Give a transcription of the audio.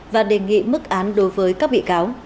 và đề nghị mức án đối với các bị cáo